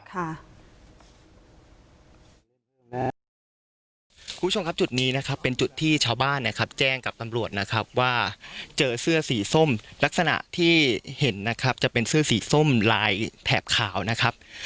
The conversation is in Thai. คุณผู้ชมครับจุดนี้นะครับเป็นจุดที่ชาวบ้านนะครับแจ้งกับตำรวจนะครับว่าเจอเสื้อสีส้มลักษณะที่เห็นนะครับจะเป็นเสื้อสีส้มลายแถบขาวนะครับ